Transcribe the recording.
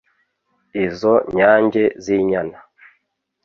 izo nyange z’inyana